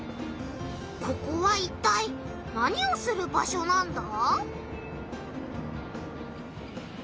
ここはいったい何をする場所なんだ？